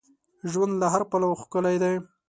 ژوند له هر پلوه ښکلی دی.